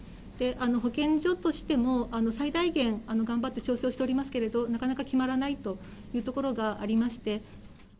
保健所としても、最大限頑張って調整をしておりますけれども、なかなか決まらないというところがありまして。